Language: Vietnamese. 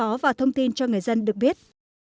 các báo và thông tin cho người dân được biết